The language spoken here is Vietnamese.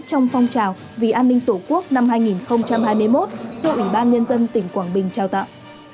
chào chào vì an ninh tổ quốc năm hai nghìn hai mươi một do ủy ban nhân dân tỉnh quảng bình trao tạo